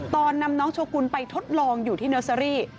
ตอนนำน้องโชกุลไปทดลองอยู่ที่เนอร์เซอรี่